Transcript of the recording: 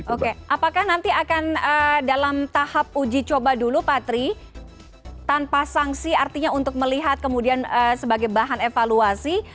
oke apakah nanti akan dalam tahap uji coba dulu pak tri tanpa sanksi artinya untuk melihat kemudian sebagai bahan evaluasi